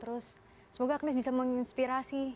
terus semoga agnes bisa menginspirasi